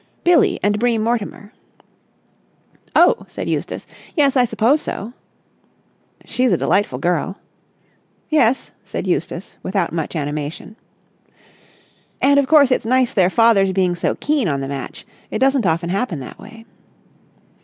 "Billie and Bream Mortimer." "Oh!" said Eustace. "Yes, I suppose so." "She's a delightful girl." "Yes," said Eustace without much animation. "And, of course, it's nice their fathers being so keen on the match. It doesn't often happen that way."